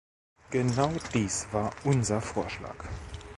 Genau dies war unser Vorschlag.